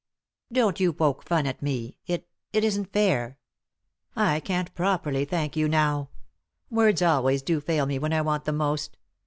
"Don't you poke fun at me, it — it isn't fair. I can't properly thank you now ; words always do fail me when I want them most.